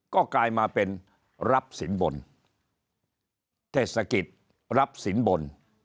ก็กลายมาเป็นรับสินบนเทศกิจรับสินบน